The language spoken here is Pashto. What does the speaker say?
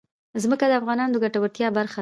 ځمکه د افغانانو د ګټورتیا برخه ده.